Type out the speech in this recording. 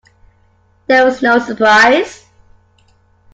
There was no surprise.